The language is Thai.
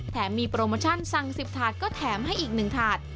แถมมีโปรโมชั่นสั่ง๑๐ถาดก็แถมให้อีก๑ถาด